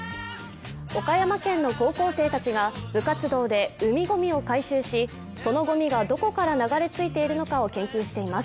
岡山県の高校生たちが部活動で海ゴミを回収しそのゴミがどこから流れ着いているのかを研究しています。